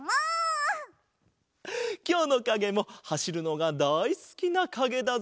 きょうのかげもはしるのがだいすきなかげだぞ。